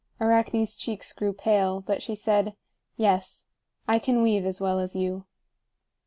Arachne's cheeks grew pale, but she said: "Yes. I can weave as well as you."